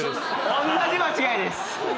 おんなじ間違えです。